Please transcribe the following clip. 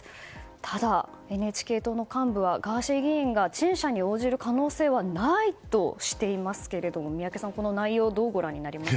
ただ、ＮＨＫ党の幹部はガーシー議員が陳謝に応じる可能性はないとしていますけれど宮家さんこの内容どうご覧になりますか？